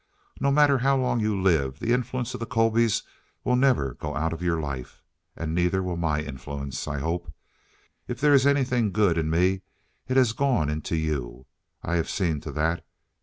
No matter how long you live, the influence of the Colbys will never go out of your life. And neither will my influence, I hope. If there is anything good in me, it has gone into you. I have seen to that.